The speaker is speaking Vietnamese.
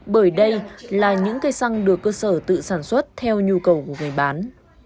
bởi đây là những cây xăng được cơ sở tự sản xuất theo nhu cầu của người bán